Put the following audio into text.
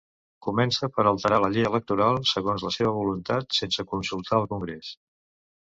Comença per alterar la llei electoral segons la seva voluntat, sense consultar al Congrés.